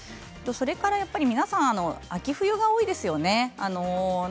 それから、皆さん秋冬が多いですよね